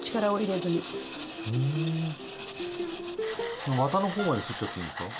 このわたの方まですっちゃっていいですか？